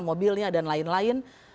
mobilnya dan lain lain